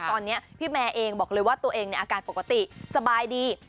ตอนนี้พี่แมร์เองบอกเลยว่าตัวเองในอาการปกติสบายดี